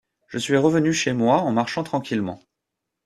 Je suis revenu chez moi en marchant tranquillement.